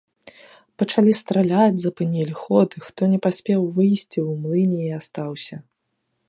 Пачалі страляць, запынілі ход, і хто не паспеў выйсці, у млыне і астаўся.